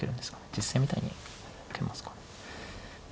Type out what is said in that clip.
実戦みたいに受けますか。